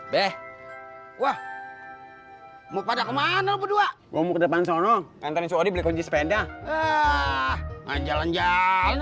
deh wah mau pada kemana berdua mau depan sono antar suara beli kunci sepeda ah ah jalan jalan